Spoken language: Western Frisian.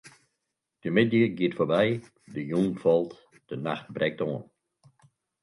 De middei giet foarby, de jûn falt, de nacht brekt oan.